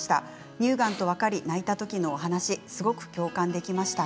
乳がんと分かり泣いた時の話すごく共感できました。